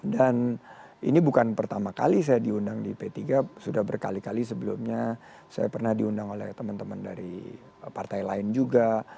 dan ini bukan pertama kali saya diundang di p tiga sudah berkali kali sebelumnya saya pernah diundang oleh teman teman dari partai lain juga